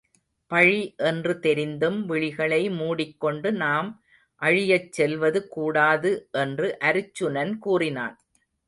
பழி என்று தெரிந்தும் விழிகளை மூடிக் கொண்டு நாம் அழியச் செல்வது கூடாது என்று அருச்சுனன் கூறினான்.